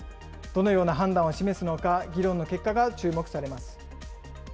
どのような判断を示すのか、議論の結果が注目されます。